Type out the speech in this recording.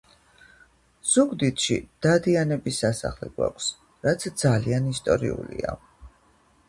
ზუგდიდში დადიანების სასახლე გვაქვს რაც ძალიან ისტორიულია